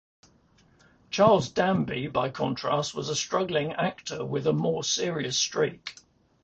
Charles Danby by contrast was a struggling actor with a more serious streak.